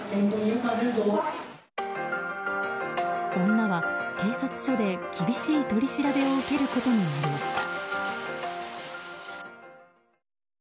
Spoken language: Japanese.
女は警察署で厳しい取り調べを受けることになりました。